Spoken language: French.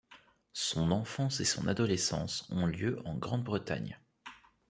Son enfance et son adolescence ont lieu en Grande-Bretagne.